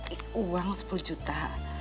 eh uang sepuluh juta